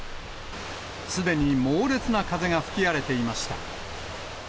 すでに猛烈な風が吹き荒れていました。